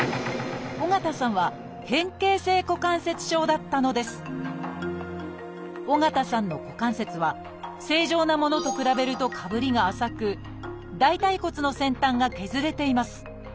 緒方さんは緒方さんの股関節は正常なものと比べるとかぶりが浅く大腿骨の先端が削れています。